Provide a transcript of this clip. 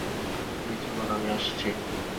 আপনি চলুন, আমি আসছি।